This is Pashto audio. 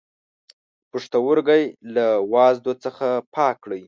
پښتورګی له وازدو څخه پاک کړئ.